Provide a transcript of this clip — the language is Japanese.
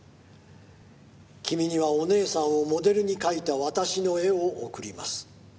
「君にはお姉さんをモデルに描いた私の絵を贈ります」